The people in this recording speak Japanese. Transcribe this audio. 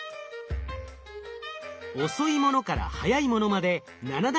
遅いものから速いものまで７段階で用意。